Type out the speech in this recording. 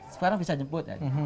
sekarang bisa jemput